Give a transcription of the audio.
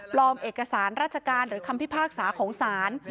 เอกสารราชการหรือคำพิพากษาของศาล